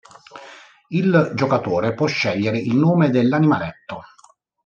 Il giocatore può scegliere il nome dell'animaletto.